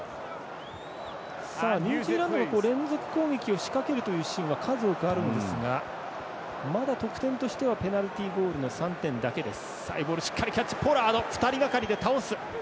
ニュージーランドが連続攻撃を仕掛けるというシーン数多くあるんですがまだ得点としてはペナルティゴールの３点だけです。